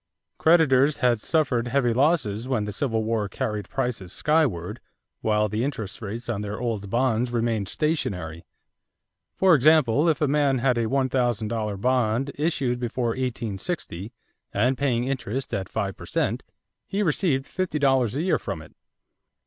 Creditors had suffered heavy losses when the Civil War carried prices skyward while the interest rates on their old bonds remained stationary. For example, if a man had a $1000 bond issued before 1860 and paying interest at five per cent, he received fifty dollars a year from it.